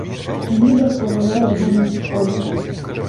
Ліда провела його на сходи.